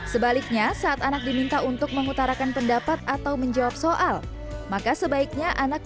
sebaliknya saat anak diminta untuk mengutarakan pendapat atau menjawab soal maka sebaiknya anak